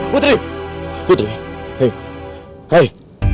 putri putri hai hai